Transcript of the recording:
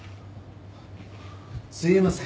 すいません。